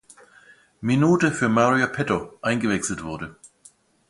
Minute für Mario Petter eingewechselt wurde.